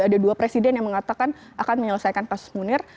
ada dua presiden yang mengatakan akan menyelesaikan kasus munir